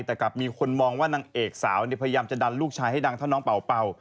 แต่กลับมีคนมองว่านางเอกสาวพยายามจะดันลูกชายให้ดังเท่าน้องเป่า